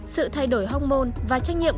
sự thay đổi hóc môn và trách nhiệm